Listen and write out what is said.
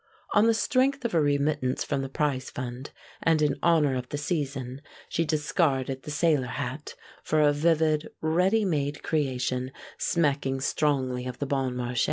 On the strength of a remittance from the prize fund, and in honor of the season, she discarded the sailor hat for a vivid ready made creation smacking strongly of the Bon Marché.